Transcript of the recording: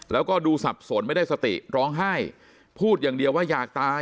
แล้วก็ดูสับสนไม่ได้สติร้องไห้พูดอย่างเดียวว่าอยากตาย